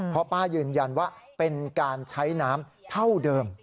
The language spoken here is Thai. เพราะป้ายืนยันว่าเป็นการใช้น้ำเท่าเดิม